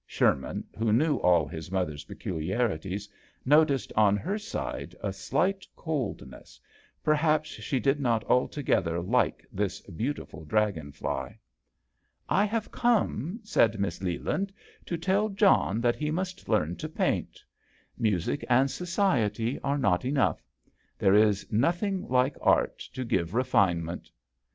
Sherman, who loiewall his mother's peculiarities, noticed on her side a slight cold ness ; perhaps she did not alto gether like this beautiful dragon fly. " I have come," said Miss Leland, "to tell John that he must learn to paint. Music and society are not enough. There is nothing like art to give refine ment."